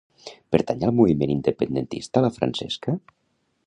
Pertany al moviment independentista la Francesca?